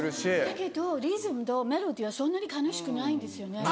だけどリズムとメロディーはそんなに悲しくないんですよね。